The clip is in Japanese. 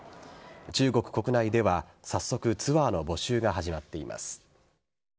中国国内では早速ツアーの募集が始まっています。